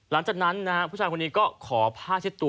พูดจากนั้นผู้ชายคนนี้ก็ขอผ้าเช็บตัว